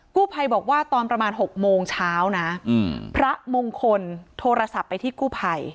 กู้ภัยบอกว่าตอนประมาณ๖โมงเช้านะพระมงคลโทรศัพท์ไปที่กู้ภัย